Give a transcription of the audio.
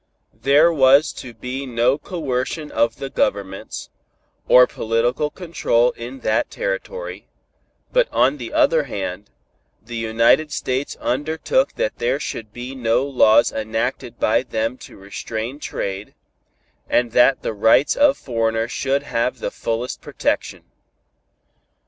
There was to be no coercion of the governments, or political control in that territory, but on the other hand, the United States undertook that there should be no laws enacted by them to restrain trade, and that the rights of foreigners should have the fullest protection.